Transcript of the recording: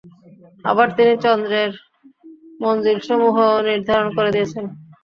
আবার তিনি চন্দ্রের মনযিলসমূহও নির্ধারণ করে দিয়েছেন।